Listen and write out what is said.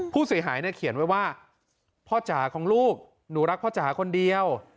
ผู้เสียหายเนี่ยเขียนไว้ว่าพ่อจ๋าของลูกหนูรักพ่อจ๋าคนเดียว